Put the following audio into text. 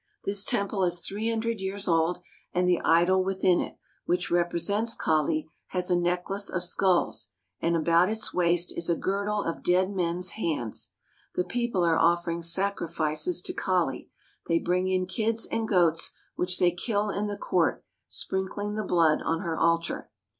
This temple is three hundred years old, and the idol within it, which represents Kali, has a necklace of skulls, and about its waist is a girdle of dead men's hands. The people are offering sacrifices to Kali. They bring in kids and goats, which they kill in the court, sprinkling the blood on her altar.